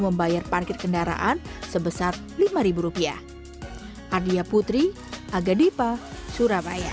membayar parkir kendaraan sebesar lima rupiah ardia putri aga dipa surabaya